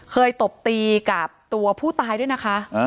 ตบตีกับตัวผู้ตายด้วยนะคะ